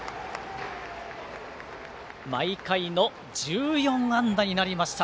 毎回の１４安打になりました。